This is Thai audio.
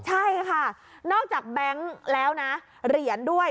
ใช่ค่ะนอกจากแบงค์แล้วนะเหรียญด้วย